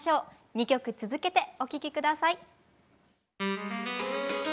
２曲続けてお聴き下さい。